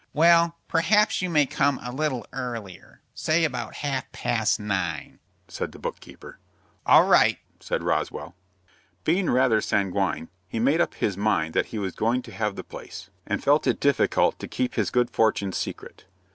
"Well, perhaps you may come a little earlier, say about half past nine," said the book keeper. "All right," said Roswell. Being rather sanguine, he made up his mind that he was going to have the place, and felt it difficult to keep his good fortune secret.